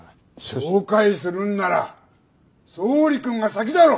紹介するんなら総理君が先だろう！